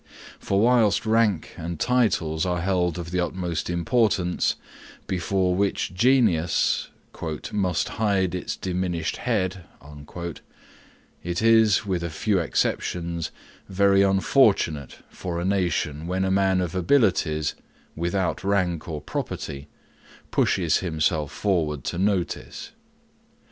For whilst rank and titles are held of the utmost importance, before which Genius "must hide its diminished head," it is, with a few exceptions, very unfortunate for a nation when a man of abilities, without rank or property, pushes himself forward to notice.